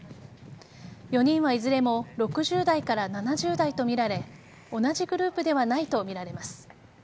４人はいずれも６０代から７０代とみられ同じグループではないとみられます。